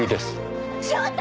翔太！